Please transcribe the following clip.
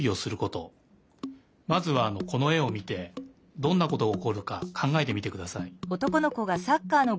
まずはこのえをみてどんなことがおこるかかんがえてみてください。